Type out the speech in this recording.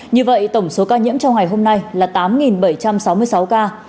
như vậy tổng số ca nhiễm trong ngày hôm nay là tám bảy trăm sáu mươi sáu ca